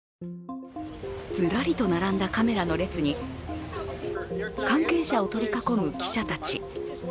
ずらりと並んだカメラの列に関係者を取り囲む記者たち。